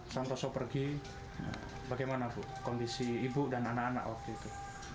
santoso pergi bagaimana bu kondisi ibu dan anak anak waktu itu